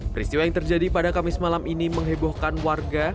peristiwa yang terjadi pada kamis malam ini menghebohkan warga